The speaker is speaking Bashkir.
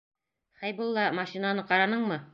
Хәйбулла, машинаны ҡараныңмы?